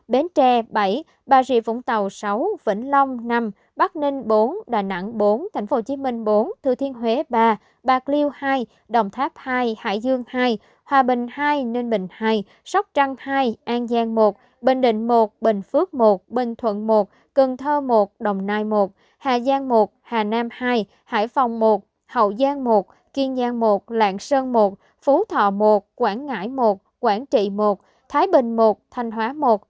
bến tre bảy bà rịa vũng tàu sáu vĩnh long năm bắc ninh bốn đà nẵng bốn tp hcm bốn thư thiên huế ba bạc liêu hai đồng tháp hai hải dương hai hòa bình hai ninh bình hai sóc trăng hai an giang một bình định một bình phước một bình thuận một cần thơ một đồng nai một hà giang một hà nam hai hải phòng một hậu giang một kiên giang một lạng sơn một phú thọ một quảng ngãi một quảng trị một thái bình một thanh hóa một tây ninh một tây ninh một tây ninh một tây ninh một t